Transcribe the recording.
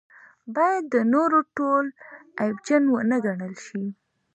باید د نورو ټول عیبجن ونه ګڼل شي.